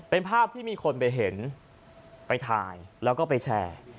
เป็นภาพที่มีคนไปเห็นไปถ่ายแล้วก็ไปแชร์